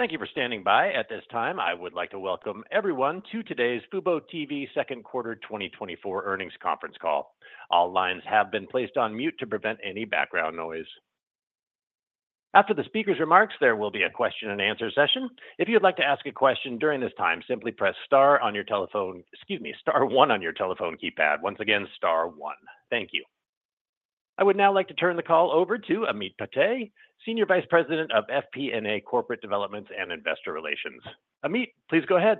Thank you for standing by. At this time, I would like to welcome everyone to today's FuboTV Second Quarter 2024 Earnings Conference Call. All lines have been placed on mute to prevent any background noise. After the speaker's remarks, there will be a question and answer session. If you'd like to ask a question during this time, simply press star on your telephone. Excuse me, star one on your telephone keypad. Once again, star one. Thank you. I would now like to turn the call over to Ameet Padte, Senior Vice President of FP&A, Corporate Development, and Investor Relations. Ameet, please go ahead.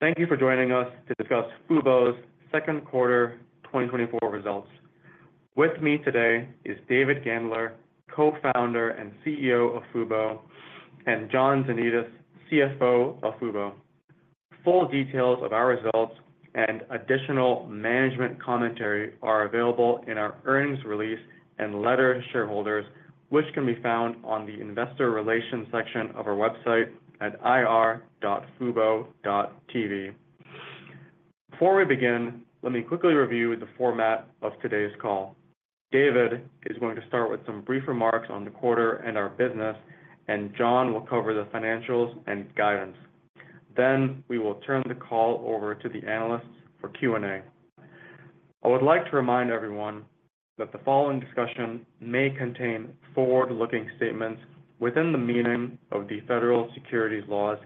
Thank you for joining us to discuss Fubo's second quarter 2024 results. With me today is David Gandler, Co-founder and CEO of Fubo, and John Janedis, CFO of Fubo. Full details of our results and additional management commentary are available in our earnings release and letter to shareholders, which can be found on the Investor Relations section of our website at ir.fubo.tv. Before we begin, let me quickly review the format of today's call. David is going to start with some brief remarks on the quarter and our business, and John will cover the financials and guidance. Then, we will turn the call over to the analysts for Q&A. I would like to remind everyone that the following discussion may contain forward-looking statements within the meaning of the federal securities laws,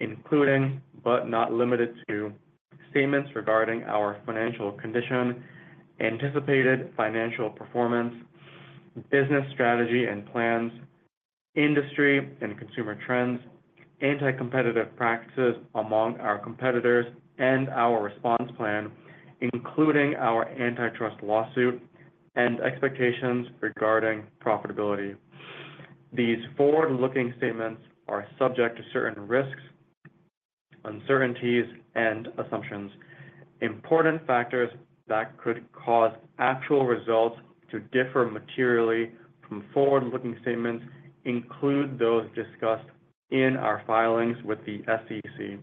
including, but not limited to, statements regarding our financial condition, anticipated financial performance, business strategy and plans, industry and consumer trends, anti-competitive practices among our competitors, and our response plan, including our antitrust lawsuit and expectations regarding profitability. These forward-looking statements are subject to certain risks, uncertainties, and assumptions. Important factors that could cause actual results to differ materially from forward-looking statements include those discussed in our filings with the SEC.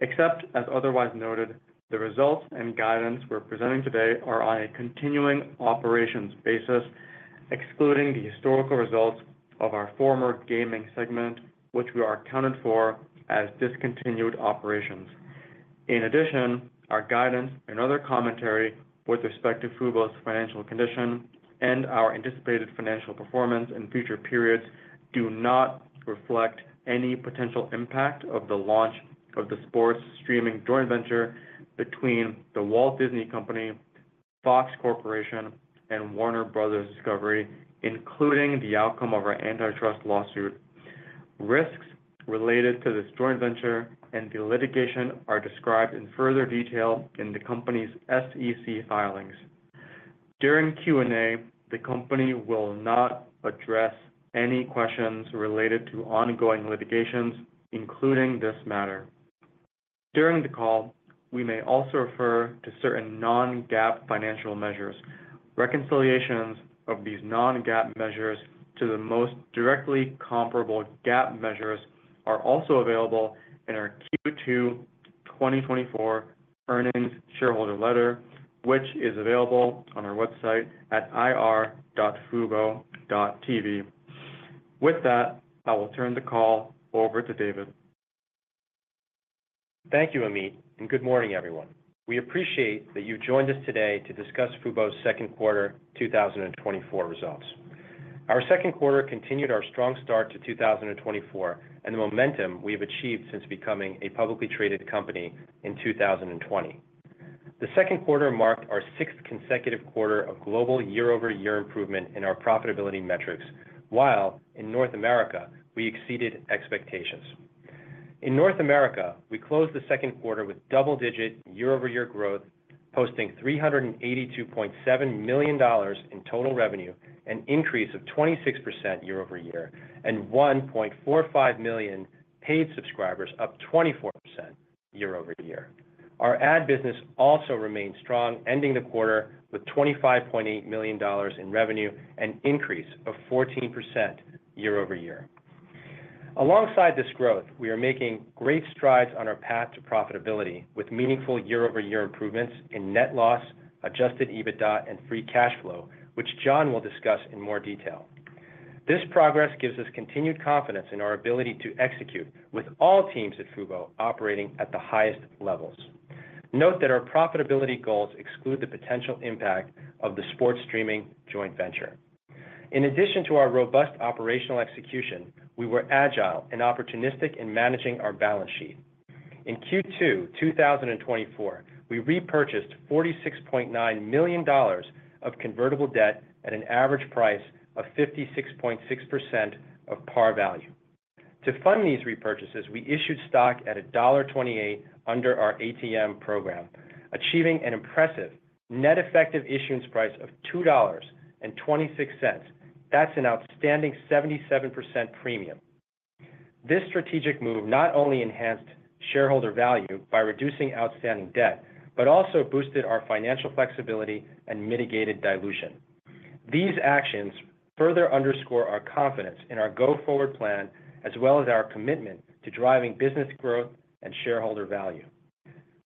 Except as otherwise noted, the results and guidance we're presenting today are on a continuing operations basis, excluding the historical results of our former gaming segment, which we are accounted for as discontinued operations. In addition, our guidance and other commentary with respect to Fubo's financial condition and our anticipated financial performance in future periods do not reflect any potential impact of the launch of the sports streaming joint venture between The Walt Disney Company, Fox Corporation, and Warner Bros. Discovery, including the outcome of our antitrust lawsuit. Risks related to this joint venture and the litigation are described in further detail in the company's SEC filings. During Q&A, the company will not address any questions related to ongoing litigations, including this matter. During the call, we may also refer to certain non-GAAP financial measures. Reconciliations of these non-GAAP measures to the most directly comparable GAAP measures are also available in our Q2 2024 Earnings Shareholder Letter, which is available on our website at ir.fubo.tv. With that, I will turn the call over to David. Thank you, Ameet, and good morning, everyone. We appreciate that you've joined us today to discuss Fubo's second quarter 2024 results. Our second quarter continued our strong start to 2024, and the momentum we have achieved since becoming a publicly traded company in 2020. The second quarter marked our sixth consecutive quarter of global year-over-year improvement in our profitability metrics, while in North America, we exceeded expectations. In North America, we closed the second quarter with double-digit year-over-year growth, posting $382.7 million in total revenue, an increase of 26% year-over-year, and 1.45 million paid subscribers, up 24% year-over-year. Our ad business also remains strong, ending the quarter with $25.8 million in revenue, an increase of 14% year-over-year. Alongside this growth, we are making great strides on our path to profitability, with meaningful year-over-year improvements in net loss, adjusted EBITDA, and free cash flow, which John will discuss in more detail. This progress gives us continued confidence in our ability to execute, with all teams at Fubo operating at the highest levels. Note that our profitability goals exclude the potential impact of the sports streaming joint venture. In addition to our robust operational execution, we were agile and opportunistic in managing our balance sheet. In Q2 2024, we repurchased $46.9 million of convertible debt at an average price of 56.6% of par value. To fund these repurchases, we issued stock at $1.28 under our ATM program, achieving an impressive net effective issuance price of $2.26. That's an outstanding 77% premium. This strategic move not only enhanced shareholder value by reducing outstanding debt, but also boosted our financial flexibility and mitigated dilution. These actions further underscore our confidence in our go-forward plan, as well as our commitment to driving business growth and shareholder value.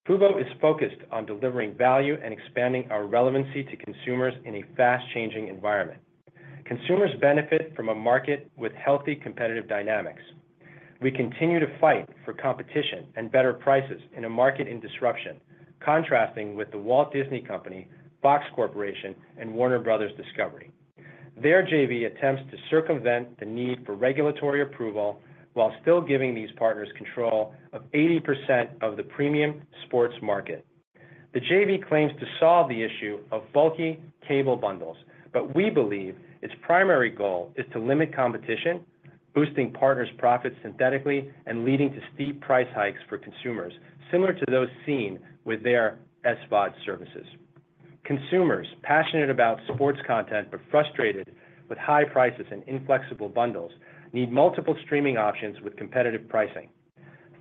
Fubo is focused on delivering value and expanding our relevancy to consumers in a fast-changing environment. Consumers benefit from a market with healthy competitive dynamics. We continue to fight for competition and better prices in a market in disruption, contrasting with The Walt Disney Company, Fox Corporation, and Warner Bros. Discovery. Their JV attempts to circumvent the need for regulatory approval, while still giving these partners control of 80% of the premium sports market. The JV claims to solve the issue of bulky cable bundles, but we believe its primary goal is to limit competition, boosting partners' profits synthetically and leading to steep price hikes for consumers, similar to those seen with their SVOD services. Consumers passionate about sports content but frustrated with high prices and inflexible bundles, need multiple streaming options with competitive pricing.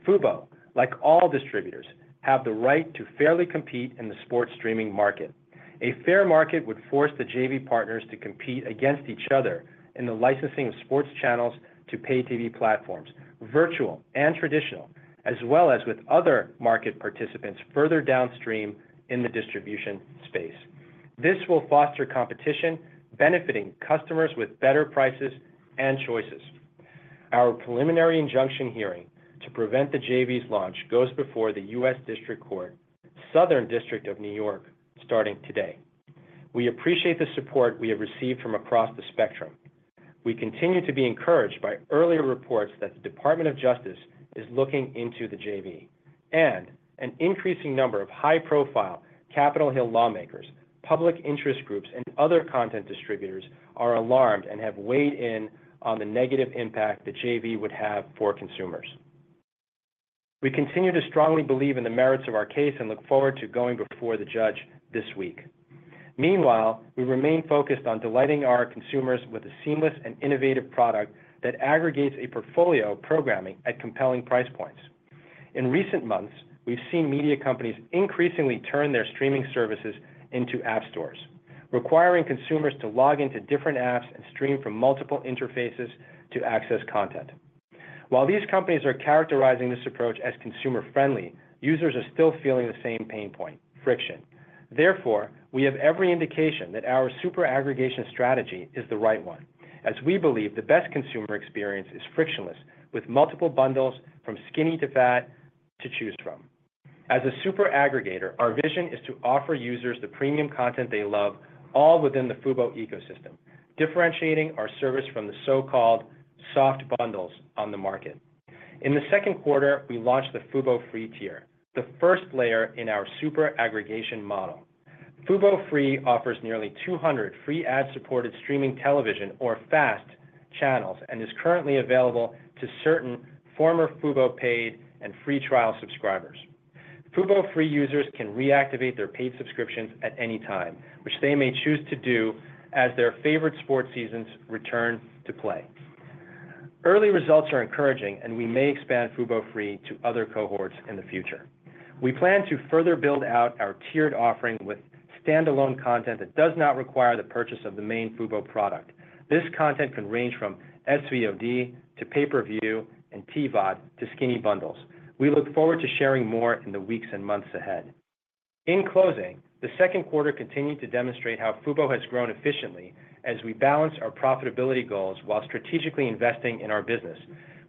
Fubo, like all distributors, have the right to fairly compete in the sports streaming market. A fair market would force the JV partners to compete against each other in the licensing of sports channels to pay TV platforms, virtual and traditional, as well as with other market participants further downstream in the distribution space. This will foster competition, benefiting customers with better prices and choices. Our preliminary injunction hearing to prevent the JV's launch goes before the U.S. District Court, Southern District of New York, starting today. We appreciate the support we have received from across the spectrum. We continue to be encouraged by earlier reports that the Department of Justice is looking into the JV, and an increasing number of high-profile Capitol Hill lawmakers, public interest groups, and other content distributors are alarmed and have weighed in on the negative impact the JV would have for consumers. We continue to strongly believe in the merits of our case and look forward to going before the judge this week. Meanwhile, we remain focused on delighting our consumers with a seamless and innovative product that aggregates a portfolio of programming at compelling price points. In recent months, we've seen media companies increasingly turn their streaming services into app stores, requiring consumers to log into different apps and stream from multiple interfaces to access content. While these companies are characterizing this approach as consumer-friendly, users are still feeling the same pain point: friction. Therefore, we have every indication that our super aggregation strategy is the right one, as we believe the best consumer experience is frictionless, with multiple bundles from skinny to fat to choose from. As a super aggregator, our vision is to offer users the premium content they love, all within the Fubo ecosystem, differentiating our service from the so-called soft bundles on the market. In the second quarter, we launched the Fubo Free tier, the first layer in our super aggregation model. Fubo Free offers nearly 200 free ad-supported streaming television, or FAST, channels, and is currently available to certain former Fubo paid and free trial subscribers. Fubo Free users can reactivate their paid subscriptions at any time, which they may choose to do as their favorite sports seasons return to play. Early results are encouraging, and we may expand Fubo Free to other cohorts in the future. We plan to further build out our tiered offering with standalone content that does not require the purchase of the main Fubo product. This content can range from SVOD to pay-per-view and PVOD to skinny bundles. We look forward to sharing more in the weeks and months ahead. In closing, the second quarter continued to demonstrate how Fubo has grown efficiently as we balance our profitability goals while strategically investing in our business.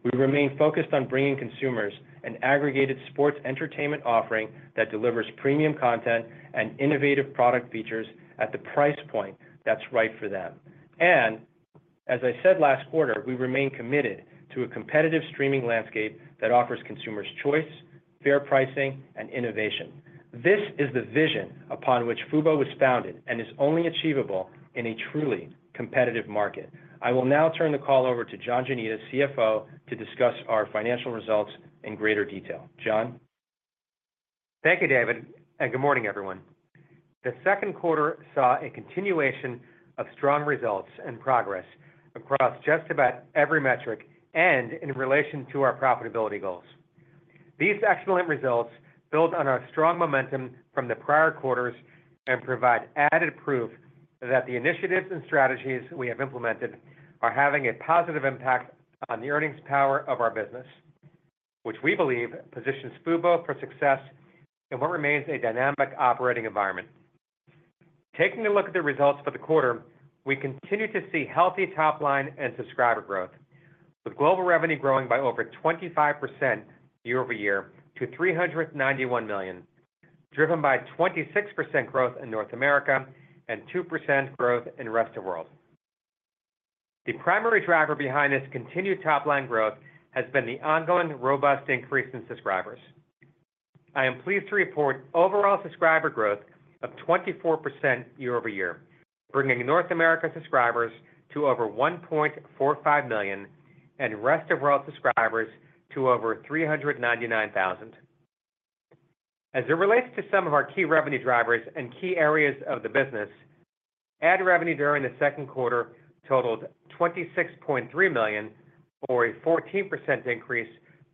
We remain focused on bringing consumers an aggregated sports entertainment offering that delivers premium content and innovative product features at the price point that's right for them. As I said last quarter, we remain committed to a competitive streaming landscape that offers consumers choice, fair pricing, and innovation. This is the vision upon which Fubo was founded and is only achievable in a truly competitive market. I will now turn the call over to John Janedis, CFO, to discuss our financial results in greater detail. John? Thank you, David, and good morning, everyone. The second quarter saw a continuation of strong results and progress across just about every metric and in relation to our profitability goals. These excellent results build on our strong momentum from the prior quarters and provide added proof that the initiatives and strategies we have implemented are having a positive impact on the earnings power of our business, which we believe positions Fubo for success in what remains a dynamic operating environment. Taking a look at the results for the quarter, we continue to see healthy top line and subscriber growth, with global revenue growing by over 25% year-over-year to $391 million, driven by 26% growth in North America and 2% growth in rest of world. The primary driver behind this continued top line growth has been the ongoing robust increase in subscribers. I am pleased to report overall subscriber growth of 24% year-over-year, bringing North American subscribers to over 1.45 million, and rest of world subscribers to over 399,000. As it relates to some of our key revenue drivers and key areas of the business, ad revenue during the second quarter totaled $26.3 million, or a 14% increase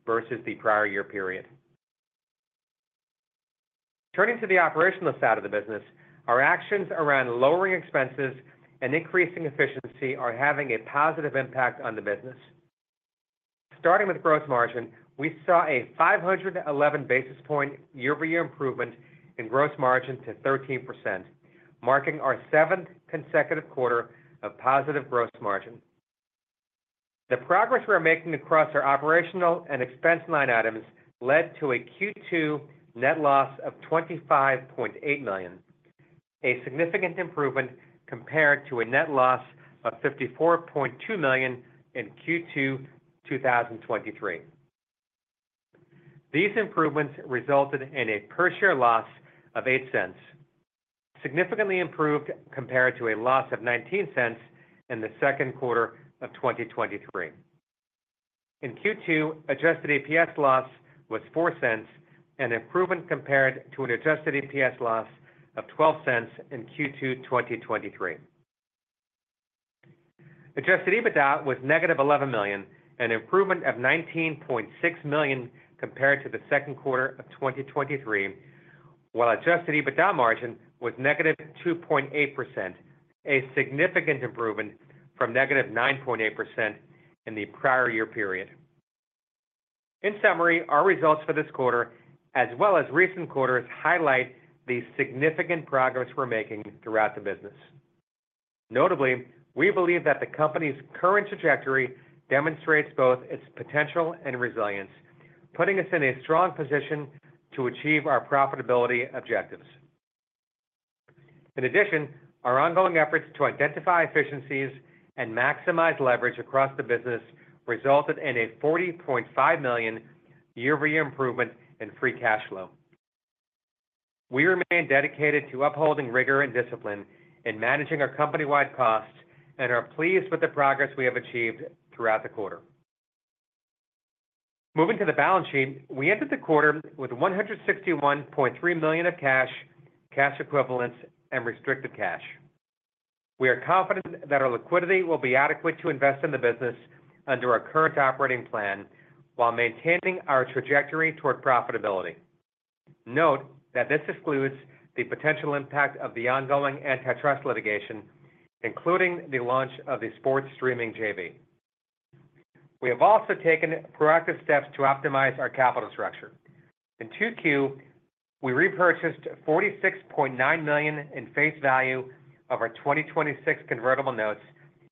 versus the prior year period. Turning to the operational side of the business, our actions around lowering expenses and increasing efficiency are having a positive impact on the business.... Starting with gross margin, we saw a 511 basis point year-over-year improvement in gross margin to 13%, marking our seventh consecutive quarter of positive gross margin. The progress we are making across our operational and expense line items led to a Q2 net loss of $25.8 million, a significant improvement compared to a net loss of $54.2 million in Q2 2023. These improvements resulted in a per share loss of $0.08, significantly improved compared to a loss of $0.19 in the second quarter of 2023. In Q2, adjusted EPS loss was $0.04, an improvement compared to an adjusted EPS loss of $0.12 in Q2 2023. Adjusted EBITDA was -$11 million, an improvement of $19.6 million compared to the second quarter of 2023, while adjusted EBITDA margin was -2.8%, a significant improvement from -9.8% in the prior year period. In summary, our results for this quarter, as well as recent quarters, highlight the significant progress we're making throughout the business. Notably, we believe that the company's current trajectory demonstrates both its potential and resilience, putting us in a strong position to achieve our profitability objectives. In addition, our ongoing efforts to identify efficiencies and maximize leverage across the business resulted in a $40.5 million year-over-year improvement in free cash flow. We remain dedicated to upholding rigor and discipline in managing our company-wide costs, and are pleased with the progress we have achieved throughout the quarter. Moving to the balance sheet. We ended the quarter with $161.3 million of cash, cash equivalents, and restricted cash. We are confident that our liquidity will be adequate to invest in the business under our current operating plan, while maintaining our trajectory toward profitability. Note that this excludes the potential impact of the ongoing antitrust litigation, including the launch of a sports streaming JV. We have also taken proactive steps to optimize our capital structure. In 2Q, we repurchased $46.9 million in face value of our 2026 convertible notes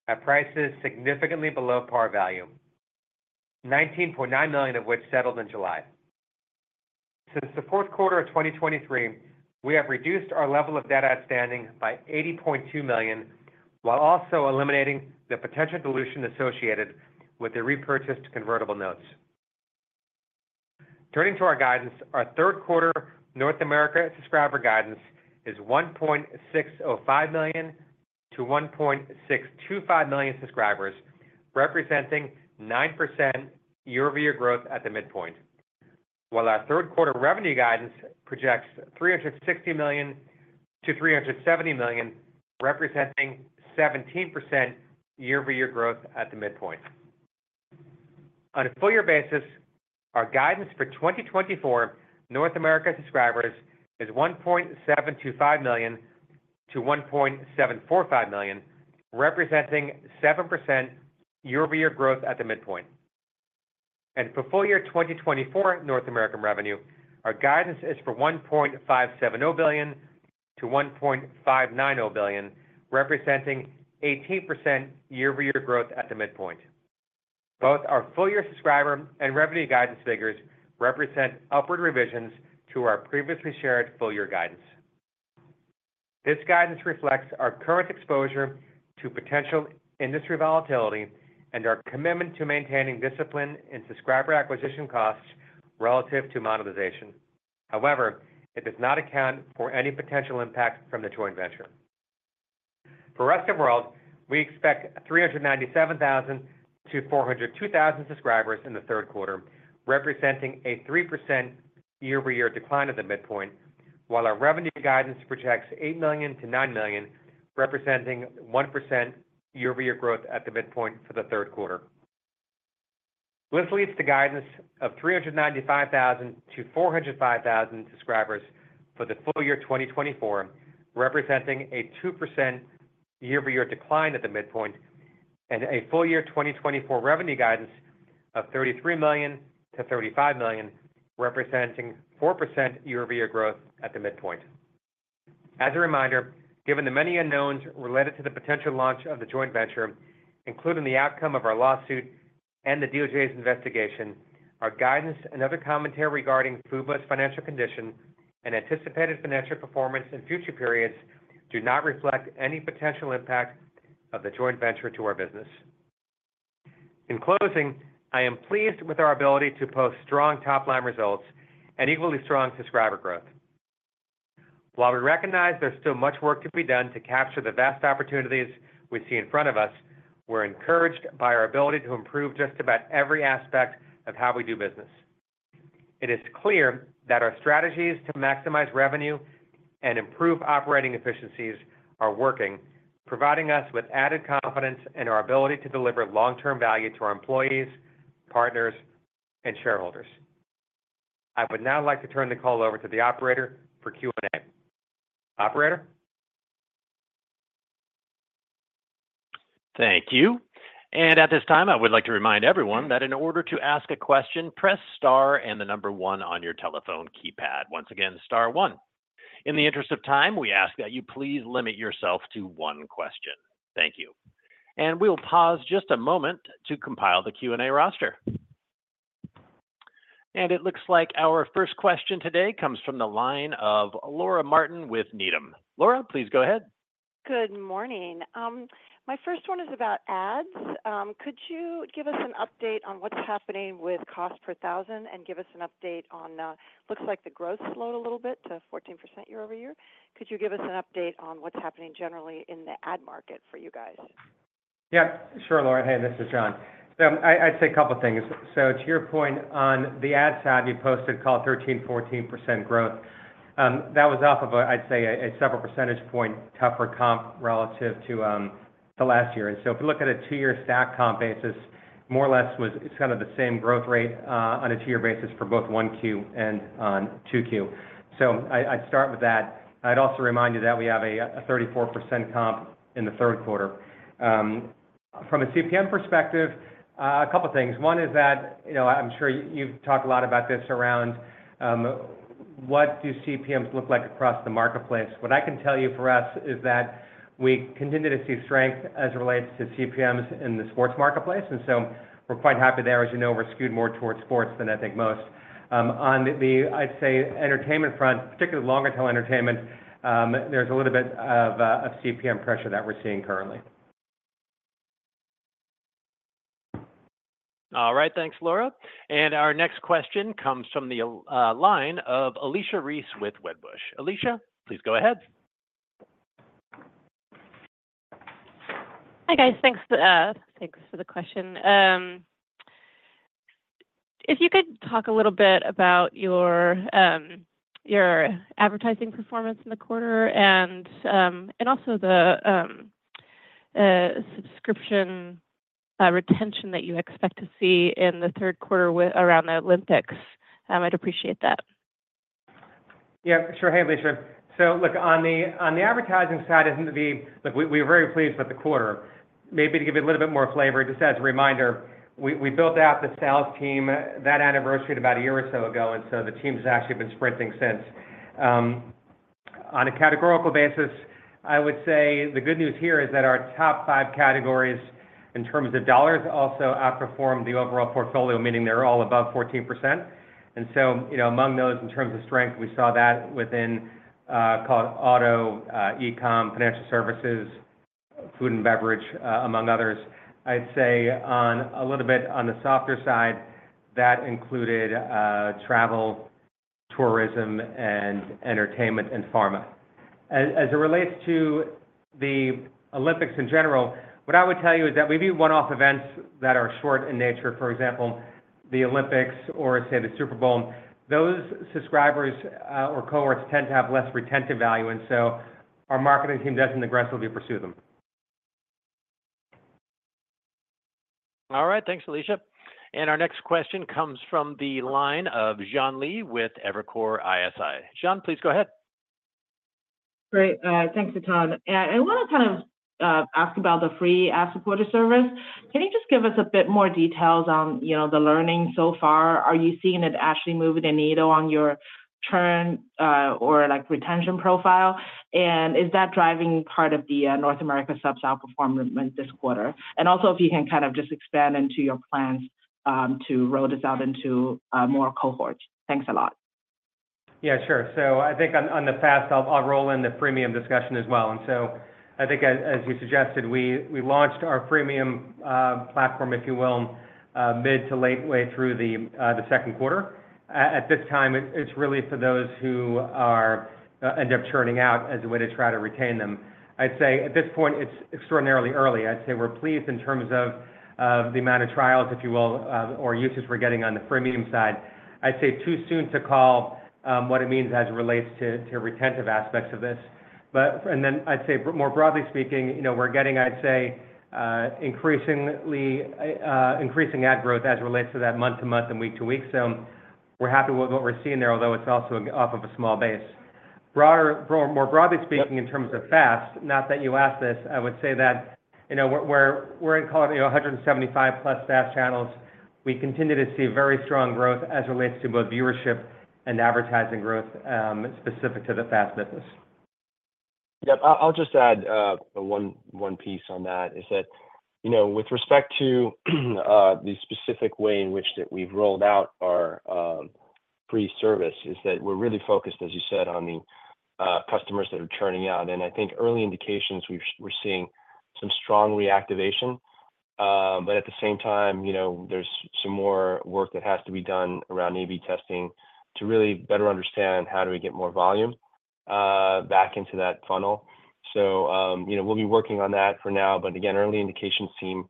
at prices significantly below par value, $19.9 million of which settled in July. Since the fourth quarter of 2023, we have reduced our level of debt outstanding by $80.2 million, while also eliminating the potential dilution associated with the repurchased convertible notes. Turning to our guidance. Our third quarter North America subscriber guidance is 1.605 million-1.625 million subscribers, representing 9% year-over-year growth at the midpoint. While our third quarter revenue guidance projects $360 million-$370 million, representing 17% year-over-year growth at the midpoint. On a full year basis, our guidance for 2024 North America subscribers is 1.725 million-1.745 million, representing 7% year-over-year growth at the midpoint. For full year 2024 North American revenue, our guidance is for $1.570 billion-$1.590 billion, representing 18% year-over-year growth at the midpoint. Both our full year subscriber and revenue guidance figures represent upward revisions to our previously shared full year guidance. This guidance reflects our current exposure to potential industry volatility and our commitment to maintaining discipline in subscriber acquisition costs relative to monetization. However, it does not account for any potential impact from the joint venture. For rest of world, we expect 397,000 to 402,000 subscribers in the third quarter, representing a 3% year-over-year decline at the midpoint, while our revenue guidance projects $8 million-$9 million, representing 1% year-over-year growth at the midpoint for the third quarter. This leads to guidance of 395,000 to 405,000 subscribers for the full year 2024, representing a 2% year-over-year decline at the midpoint, and a full year 2024 revenue guidance of $33 million-$35 million, representing 4% year-over-year growth at the midpoint. As a reminder, given the many unknowns related to the potential launch of the joint venture, including the outcome of our lawsuit and the DOJ's investigation, our guidance and other commentary regarding Fubo's financial condition and anticipated financial performance in future periods, do not reflect any potential impact of the joint venture to our business. In closing, I am pleased with our ability to post strong top-line results and equally strong subscriber growth. While we recognize there's still much work to be done to capture the vast opportunities we see in front of us, we're encouraged by our ability to improve just about every aspect of how we do business. It is clear that our strategies to maximize revenue and improve operating efficiencies are working, providing us with added confidence in our ability to deliver long-term value to our employees, partners, and shareholders. I would now like to turn the call over to the operator for Q&A. Operator? Thank you. And at this time, I would like to remind everyone that in order to ask a question, press Star and the number one on your telephone keypad. Once again, Star one. In the interest of time, we ask that you please limit yourself to one question. Thank you. And we'll pause just a moment to compile the Q&A roster. And it looks like our first question today comes from the line of Laura Martin, with Needham. Laura, please go ahead. Good morning. My first one is about ads. Could you give us an update on what's happening with cost per thousand and give us an update on, looks like the growth slowed a little bit to 14% year-over-year. Could you give us an update on what's happening generally in the ad market for you guys? Yeah, sure, Laura. Hey, this is John. So I'd say a couple of things. So to your point on the ad side, we posted call 13%-14% growth. That was off of a, I'd say, several percentage point tougher comp relative to last year. And so if you look at a two-year stack comp basis, more or less it's kinda the same growth rate on a two-year basis for both 1Q and 2Q. So I'd start with that. I'd also remind you that we have a 34% comp in the third quarter. From a CPM perspective, a couple of things. One is that, you know, I'm sure you've talked a lot about this around what do CPMs look like across the marketplace? What I can tell you for us is that we continue to see strength as it relates to CPMs in the sports marketplace, and so we're quite happy there. As you know, we're skewed more towards sports than I think most. On the, I'd say, entertainment front, particularly long-tail entertainment, there's a little bit of, of CPM pressure that we're seeing currently. All right, thanks, Laura. And our next question comes from the line of Alicia Reese with Wedbush. Alicia, please go ahead. Hi, guys. Thanks, thanks for the question. If you could talk a little bit about your your advertising performance in the quarter and also the subscription retention that you expect to see in the third quarter with around the Olympics, I'd appreciate that. Yeah, sure. Hey, Alicia. So look, on the advertising side, I think the—look, we, we're very pleased with the quarter. Maybe to give you a little bit more flavor, just as a reminder, we built out the sales team. That anniversary was about a year or so ago, and so the team has actually been sprinting since. On a categorical basis, I would say the good news here is that our top 5 categories in terms of dollars also outperformed the overall portfolio, meaning they're all above 14%. And so, you know, among those, in terms of strength, we saw that within, call it auto, e-com, financial services, food and beverage, among others. I'd say a little bit on the softer side, that included, travel, tourism, and entertainment, and pharma. As it relates to the Olympics in general, what I would tell you is that maybe one-off events that are short in nature, for example, the Olympics or say, the Super Bowl, those subscribers or cohorts tend to have less retentive value, and so our marketing team doesn't aggressively pursue them. All right, thanks, Alicia. And our next question comes from the line of John Lee with Evercore ISI. John, please go ahead. Great. Thanks, Todd. And I want to kind of ask about the free ad-supported service. Can you just give us a bit more details on, you know, the learning so far? Are you seeing it actually move the needle on your churn, or, like, retention profile? And is that driving part of the North America subs outperformance this quarter? And also, if you can kind of just expand into your plans to roll this out into more cohorts. Thanks a lot. Yeah, sure. So I think on the fast, I'll roll in the premium discussion as well. And so I think as you suggested, we launched our premium platform, if you will, mid to late way through the second quarter. At this time, it's really for those who end up churning out as a way to try to retain them. I'd say at this point, it's extraordinarily early. I'd say we're pleased in terms of the amount of trials, if you will, or usage we're getting on the premium side. I'd say too soon to call what it means as it relates to retentive aspects of this. And then I'd say, more broadly speaking, you know, we're getting, I'd say, increasingly increasing ad growth as it relates to that month-to-month and week-to-week. So we're happy with what we're seeing there, although it's also off of a small base. More broadly speaking, in terms of FAST, not that you asked this, I would say that, you know, we're in call it 175+ FAST channels. We continue to see very strong growth as it relates to both viewership and advertising growth specific to the FAST business. Yeah, I'll just add one piece on that, is that, you know, with respect to the specific way in which that we've rolled out our free service, is that we're really focused, as you said, on the customers that are churning out. And I think early indications, we're seeing some strong reactivation. But at the same time, you know, there's some more work that has to be done around A/B testing to really better understand how do we get more volume back into that funnel. So, you know, we'll be working on that for now. But again, early indications seem,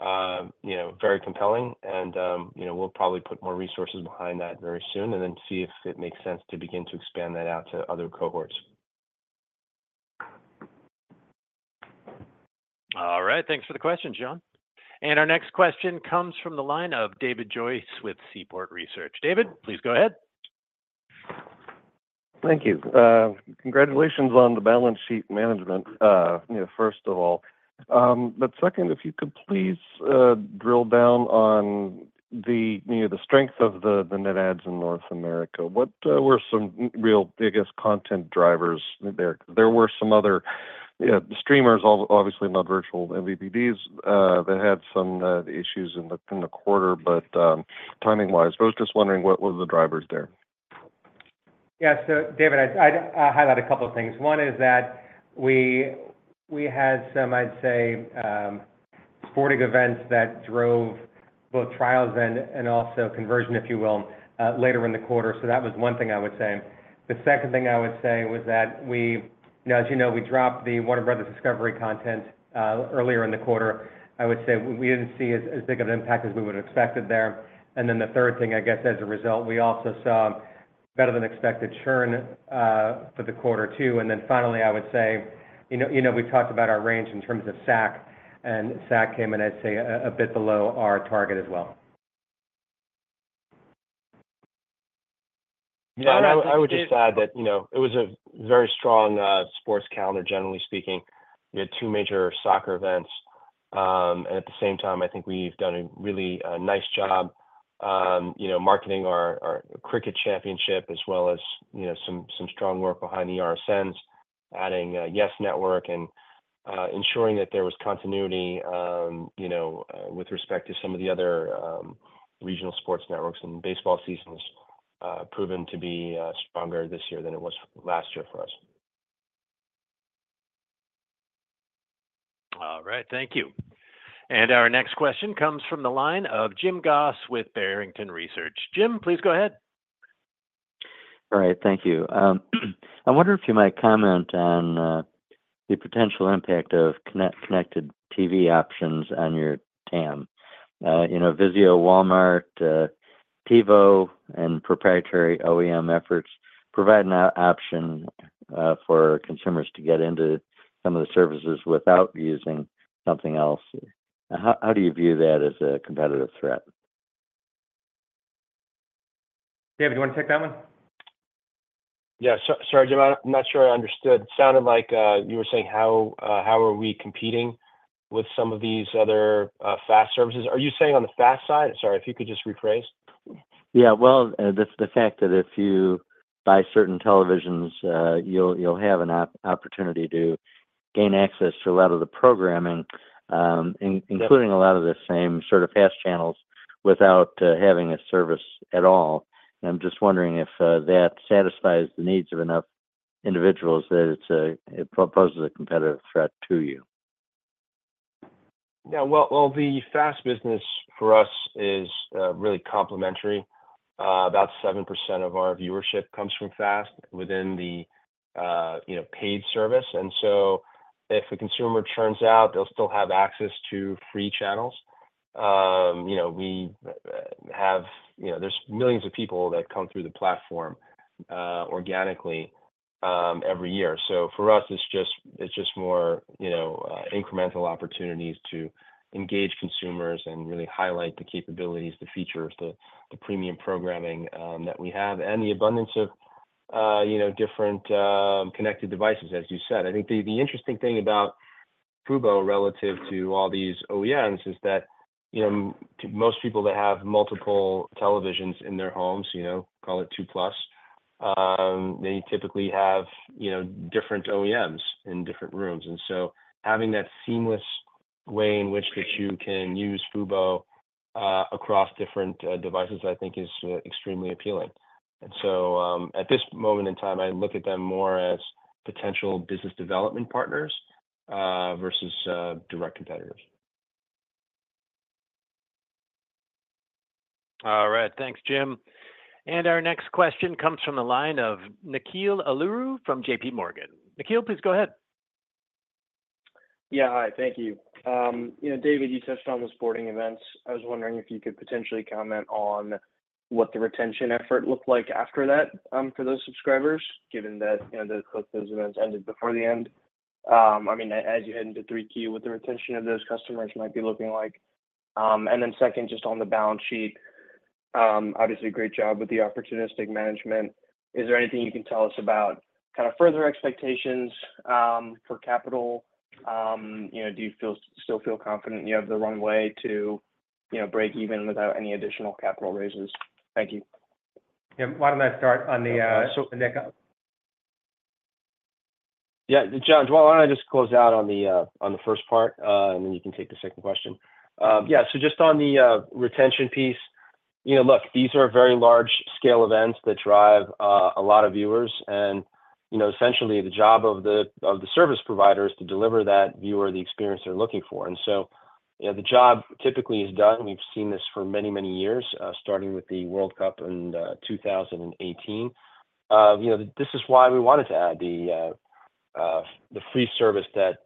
you know, very compelling and, you know, we'll probably put more resources behind that very soon, and then see if it makes sense to begin to expand that out to other cohorts. All right. Thanks for the question, John. Our next question comes from the line of David Joyce with Seaport Research Partners. David, please go ahead. Thank you. Congratulations on the balance sheet management, you know, first of all. But second, if you could please drill down on the, you know, the strength of the net adds in North America. What were some real biggest content drivers there? There were some other streamers, obviously, not virtual MVPDs, that had some issues in the quarter, but timing-wise. But I was just wondering what were the drivers there? Yeah. So David, I'd highlight a couple of things. One is that we had some, I'd say, sporting events that drove both trials and also conversion, if you will, later in the quarter. So that was one thing I would say. The second thing I would say was that we... Now, as you know, we dropped the Warner Bros. Discovery content earlier in the quarter. I would say we didn't see as big of an impact as we would've expected there. And then the third thing, I guess, as a result, we also saw better-than-expected churn for the quarter, too. And then finally, I would say, you know, you know, we've talked about our range in terms of SAC, and SAC came in, I'd say, a bit below our target as well. Yeah. I would just add that, you know, it was a very strong sports calendar, generally speaking. We had two major soccer events. And at the same time, I think we've done a really nice job, you know, marketing our cricket championship, as well as, you know, some strong work behind the RSNs, adding YES Network, and ensuring that there was continuity, you know, with respect to some of the other regional sports networks. And baseball season has proven to be stronger this year than it was last year for us. All right, thank you. Our next question comes from the line of Jim Goss with Barrington Research. Jim, please go ahead. All right, thank you. I wonder if you might comment on the potential impact of connected TV options on your TAM. You know, Vizio, Walmart, TiVo, and proprietary OEM efforts provide an option for consumers to get into some of the services without using something else. How do you view that as a competitive threat? David, you wanna take that one? Yeah. Sorry, Jim, I'm not sure I understood. Sounded like you were saying how are we competing with some of these other FAST services? Are you saying on the FAST side? Sorry, if you could just rephrase. Yeah, well, the fact that if you buy certain televisions, you'll have an opportunity to gain access to a lot of the programming, in- Yeah... including a lot of the same sort of FAST channels, without having a service at all. I'm just wondering if that satisfies the needs of enough individuals that it's a, it poses a competitive threat to you. Yeah, well, well, the FAST business for us is really complementary. About 7% of our viewership comes from FAST within the, you know, paid service. And so if a consumer churns out, they'll still have access to free channels. You know, we have, you know... There's millions of people that come through the platform, organically, every year. So for us, it's just, it's just more, you know, incremental opportunities to engage consumers and really highlight the capabilities, the features, the premium programming, that we have, and the abundance of, you know, different connected devices, as you said. I think the interesting thing about Fubo, relative to all these OEMs, is that, you know, most people that have multiple televisions in their homes, you know, call it 2+, they typically have, you know, different OEMs in different rooms. And so having that seamless way in which that you can use Fubo across different devices, I think is extremely appealing. And so, at this moment in time, I look at them more as potential business development partners versus direct competitors. All right. Thanks, Jim. And our next question comes from the line of Nikhil Aluru from J.P. Morgan. Nikhil, please go ahead. Yeah. Hi, thank you. You know, David, you touched on the sporting events. I was wondering if you could potentially comment on what the retention effort looked like after that, for those subscribers, given that, you know, those, those events ended before the end. I mean, as you head into 3Q, what the retention of those customers might be looking like. And then second, just on the balance sheet, obviously, a great job with the opportunistic management. Is there anything you can tell us about kind of further expectations, for capital? You know, do you feel, still feel confident you have the runway to, you know, break even without any additional capital raises? Thank you. Yeah. Why don't I start on the, so, Nick- Yeah, John, why don't I just close out on the, on the first part, and then you can take the second question. Yeah, so just on the, retention piece, you know, look, these are very large-scale events that drive, a lot of viewers, and, you know, essentially the job of the, of the service provider is to deliver that viewer the experience they're looking for. And so, you know, the job typically is done. We've seen this for many, many years, starting with the World Cup in, 2018. You know, this is why we wanted to add the, the free service that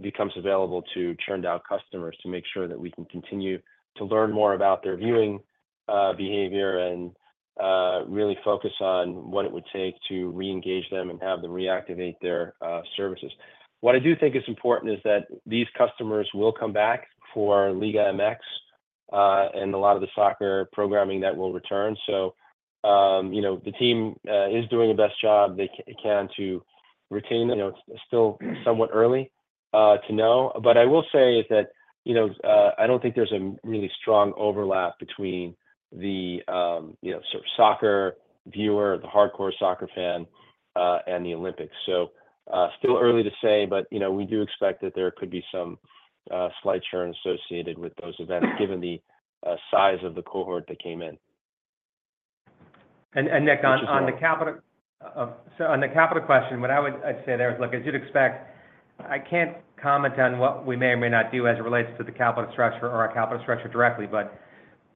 becomes available to churned-out customers, to make sure that we can continue to learn more about their viewing, behavior and really focus on what it would take to reengage them and have them reactivate their, services. What I do think is important is that these customers will come back for Liga MX and a lot of the soccer programming that will return. So, you know, the team is doing the best job they can to retain them. You know, it's still somewhat early to know. But I will say that, you know, I don't think there's a really strong overlap between the, you know, sort of soccer viewer, the hardcore soccer fan, and the Olympics. So, still early to say, but, you know, we do expect that there could be some slight churn associated with those events, given the size of the cohort that came in. And Nikhil, on the capital, so on the capital question, I'd say there is, look, as you'd expect, I can't comment on what we may or may not do as it relates to the capital structure or our capital structure directly. But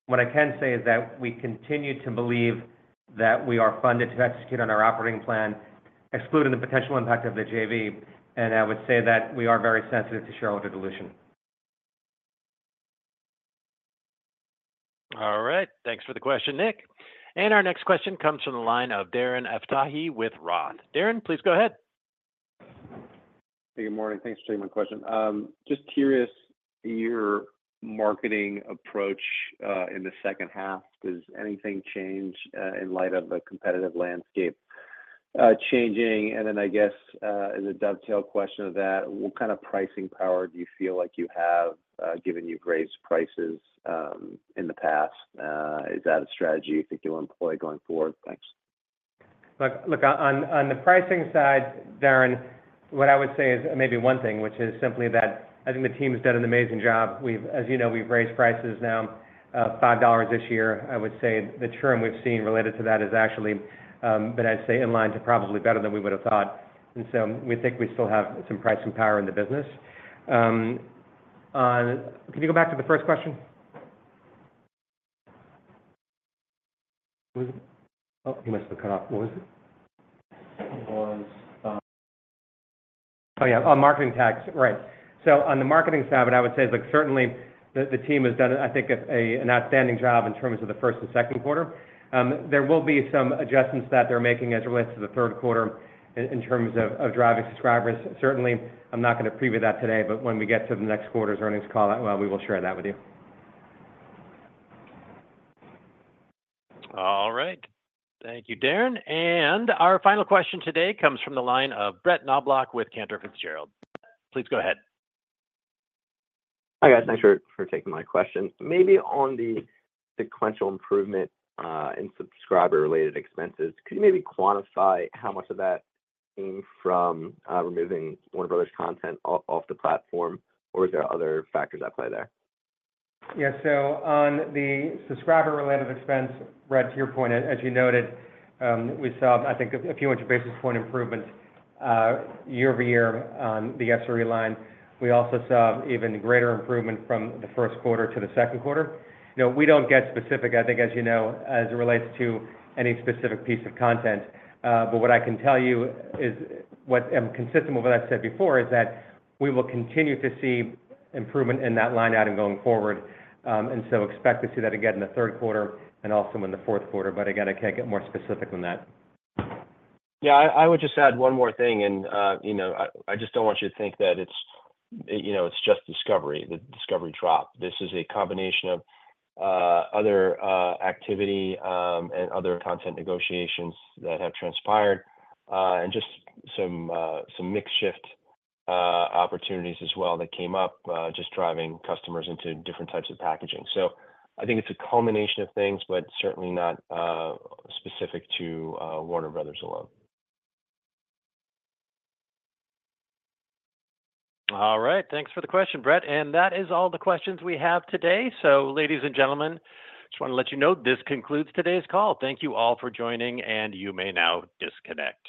what I can say is that we continue to believe that we are funded to execute on our operating plan, excluding the potential impact of the JV, and I would say that we are very sensitive to shareholder dilution. All right, thanks for the question, Nick. And our next question comes from the line of Darren Aftahi with Roth. Darren, please go ahead. Hey, good morning. Thanks for taking my question. Just curious, your marketing approach in the second half, does anything change in light of the competitive landscape changing? And then, I guess, as a dovetail question to that, what kind of pricing power do you feel like you have given you've raised prices in the past? Is that a strategy you think you'll employ going forward? Thanks. On the pricing side, Darren, what I would say is maybe one thing, which is simply that I think the team has done an amazing job. We've— As you know, we've raised prices now $5 this year. I would say the churn we've seen related to that is actually, but I'd say in line to probably better than we would've thought. And so we think we still have some pricing power in the business. Can you go back to the first question? Oh, he must have cut off. What was it? It was, Oh, yeah, on marketing tactics. Right. So on the marketing side, what I would say is, look, certainly the team has done, I think, an outstanding job in terms of the first and second quarter. There will be some adjustments that they're making as it relates to the third quarter in terms of driving subscribers. Certainly, I'm not gonna preview that today, but when we get to the next quarter's earnings call, we will share that with you. All right. Thank you, Darren. And our final question today comes from the line of Brett Knoblauch with Cantor Fitzgerald. Please go ahead. Hi, guys. Thanks for taking my question. Maybe on the sequential improvement in subscriber-related expenses, could you maybe quantify how much of that came from removing Warner Brothers content off the platform, or is there other factors at play there? Yeah, so on the subscriber-related expense, Brett, to your point, as you noted, we saw, I think, a few hundred basis point improvement year over year on the SRE line. We also saw even greater improvement from the first quarter to the second quarter. You know, we don't get specific, I think, as you know, as it relates to any specific piece of content. But what I can tell you is consistent with what I've said before, is that we will continue to see improvement in that line item going forward. And so expect to see that again in the third quarter and also in the fourth quarter. But again, I can't get more specific than that. Yeah, I would just add one more thing, and you know, I just don't want you to think that it's, you know, it's just Discovery, the Discovery drop. This is a combination of other activity and other content negotiations that have transpired, and just some mixed shift opportunities as well that came up just driving customers into different types of packaging. So I think it's a culmination of things, but certainly not specific to Warner Brothers alone. All right. Thanks for the question, Brett. That is all the questions we have today. Ladies and gentlemen, just wanna let you know, this concludes today's call. Thank you all for joining, and you may now disconnect.